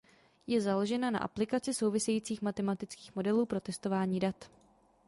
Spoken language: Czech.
Je založena na aplikaci souvisejících matematických modelů pro testování dat.